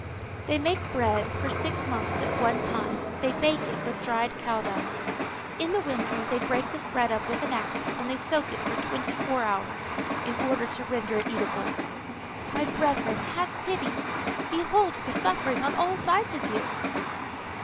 They make bread for six months at one time; they bake it with dried cow dung. In the winter they break this bread up with an axe, and they soak it for twenty four hours, in order to render it eatable. My brethren, have pity! behold the suffering on all sides of you!"